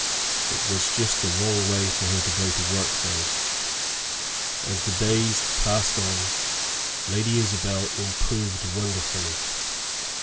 It was just the wrong way for her to go to work, though. As the days passed on, Lady Isabel improved wonderfully.